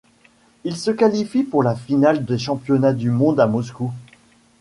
Il se qualifie pour la finale des championnats du monde à Moscou.